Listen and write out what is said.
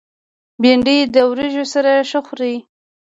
بېنډۍ د وریژو سره ښه خوري